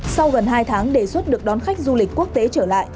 sau gần hai tháng đề xuất được đón khách du lịch quốc tế trở lại